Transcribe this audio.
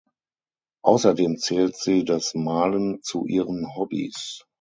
Außerdem zählt sie das Malen zu ihren Hobbys.